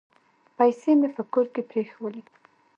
پیسې مي په کور کې پرېښولې .